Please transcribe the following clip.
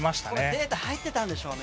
データが入っていたんでしょうね。